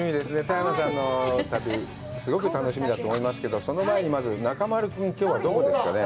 田山さんの旅、すごく楽しみだと思いますけど、その前にまず中丸君、きょうはどこですかね？